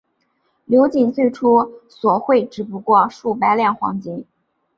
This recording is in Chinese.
刘瑾最初索贿只不过数百两黄金。